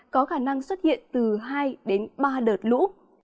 có khả năng xuất hiện từ hai đến ba đợt lũ